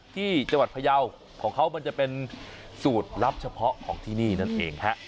ที่จังหวัดพยาวของเขามันจะเป็นสูตรลับเฉพาะของที่นี่นั่นเองฮะ